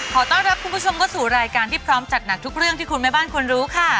ขอต้อนรับคุณผู้ชมเข้าสู่รายการที่พร้อมจัดหนักทุกเรื่องที่คุณแม่บ้านควรรู้ค่ะ